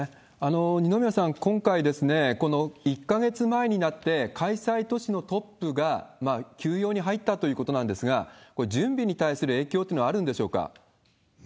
二宮さん、今回、この１か月前になって、開催都市のトップが休養に入ったということなんですが、これ、準備に対する影響っていうのはあるんでしょうか？